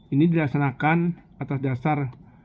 ini dilaksanakan atas dasar